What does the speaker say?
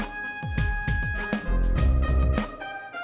nah kita lihat bathroomnya dulu